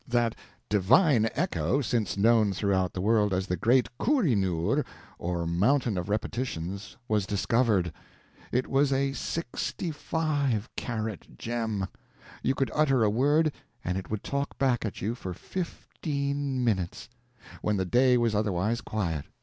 That divine echo, since known throughout the world as the Great Koh i noor, or Mountain of Repetitions, was discovered. It was a sixty five carat gem. You could utter a word and it would talk back at you for fifteen minutes, when the day was otherwise quiet.